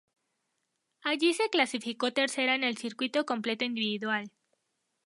Allí se clasificó tercera en el circuito completo individual.